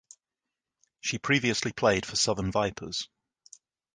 She previously played for Southern Vipers.